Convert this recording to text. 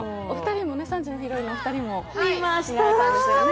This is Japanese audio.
３時のヒロインのお二人も見たんですよね。